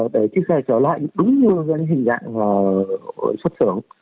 để chiếc xe trở lại đúng như hình dạng xuất xưởng